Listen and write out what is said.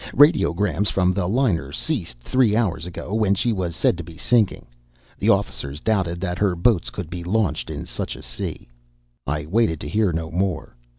Radiograms from the liner ceased three hours ago, when she was said to be sinking. The officers doubted that her boats could be launched in such a sea " I waited to hear no more.